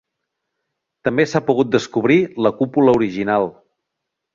També s'ha pogut descobrir la cúpula original.